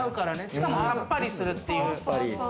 しかもさっぱりするっていう。